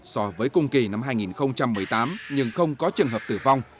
so với cùng kỳ năm hai nghìn một mươi tám nhưng không có trường hợp tử vong